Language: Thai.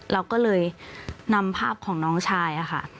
เราก็เลยนำภาพของน้องชายค่ะ